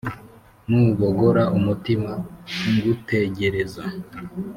nubogora umutima ngutegereza